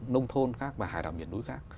nông thôn khác và hải đảo miền núi khác